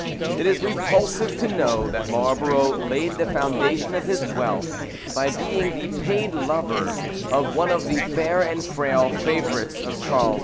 It is repulsive to know that Marlborough laid the foundation of his wealth by being the paid lover of one of the fair and frail favourites of Charles II.